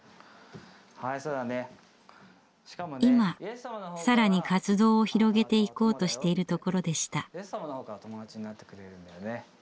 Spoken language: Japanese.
今更に活動を広げていこうとしているところでした。